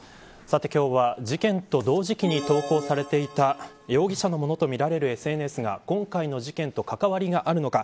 今日は事件と同時期に投稿されていた容疑者のものとみられるＳＮＳが今回の事件と関わりがあるのか。